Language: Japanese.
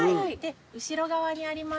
後ろ側にあります